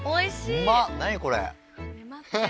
うまっ！